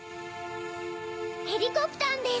ヘリコプタンです